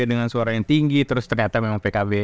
dengan suara yang tinggi terus ternyata memang pkb